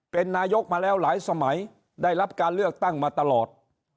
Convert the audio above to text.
เป็นนายกมาแล้วหลายสมัยได้รับการเลือกตั้งมาตลอด